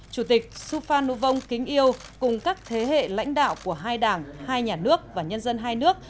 chủ tịch suphan nú vong kính yêu cùng các thế hệ lãnh đạo của hai đảng hai nhà nước và nhân dân hai nước